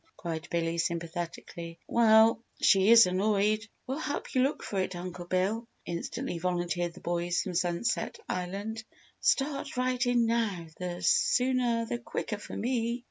cried Billy, sympathetically. "Well she is annoyed!" "We'll help you look for it, Uncle Bill," instantly volunteered the boys from Sunset Island. "Start right in now the sooner the quicker for me!"